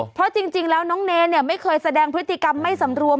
เพราะจริงแล้วน้องเนรไม่เคยแสดงพฤติกรรมไม่สำรวม